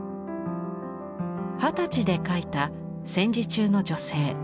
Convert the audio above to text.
二十歳で描いた戦時中の女性。